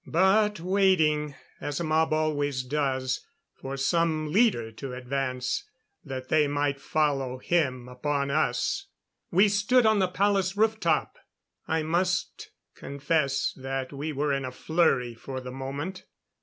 But waiting as a mob always does for some leader to advance, that they might follow him upon us. We stood on the palace roof top. I must confess that we were in a flurry for the moment.